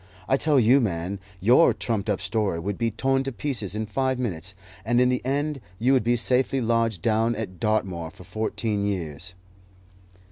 I tell you, man, your trumped up story would be torn to pieces in five minutes, and in the end you would be safely lodged down at Dartmoor for fourteen years."